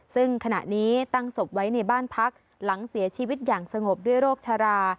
ซึ่งขณะนี้ตั้งศพไว้ในบ้านพักหลังเสียชีวิตอย่างสงบด้วยโรคชรา